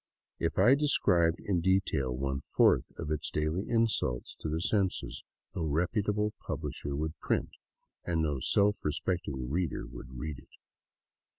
If I described in detail one fourth its daily insults to the senses, no reputable publisher would print, and no self respecting reader would read it.